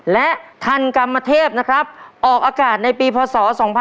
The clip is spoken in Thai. และทันกรรมเทพนะครับออกอากาศในปีพศ๒๕๖๒